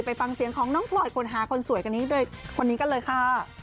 ไปฟังเสียงของน้องพลอยคนหาคนสวยกันนี้คนนี้กันเลยค่ะ